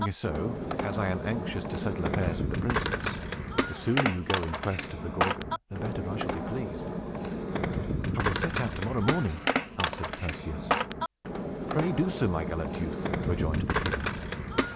So, as I am anxious to settle affairs with the princess, the sooner you go in quest of the Gorgon, the better I shall be pleased." "I will set out to morrow morning," answered Perseus. "Pray do so, my gallant youth," rejoined the king.